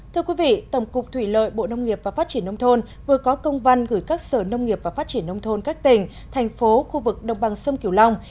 thưa quý vị tổng cục thủy lợi bộ nông nghiệp và phát triển nông thôn vừa có công văn gửi các sở nông nghiệp và phát triển nông thôn các tỉnh thành phố khu vực đồng bằng sông kiều long